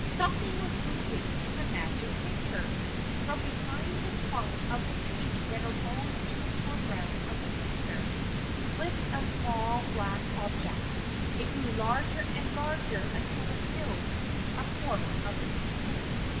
Something was moving in the Magic Picture. From behind the trunk of the tree that arose in the foreground of the picture, slipped a small black object. It grew larger and larger until it filled a quarter of the picture.